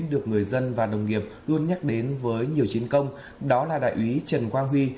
được người dân và đồng nghiệp luôn nhắc đến với nhiều chiến công đó là đại úy trần quang huy